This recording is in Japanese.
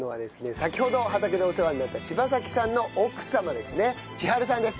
先ほど畑でお世話になった柴崎さんの奥様ですね千春さんです。